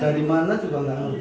dari mana juga nggak ngerti